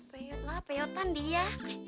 peotlah peotan dia